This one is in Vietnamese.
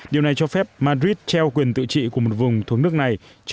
điều này cho phép madrid treo quyền tự trị của một vùng thuộc nước này